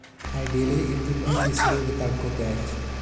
Ideally it would be feasible without copyright.